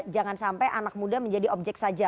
jangan sampai anak muda menjadi objek saja